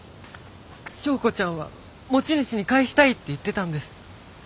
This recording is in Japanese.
昭子ちゃんは持ち主に返したいって言ってたんです。